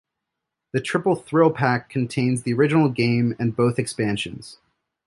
The "Triple Thrill Pack" contains the original game and both expansions.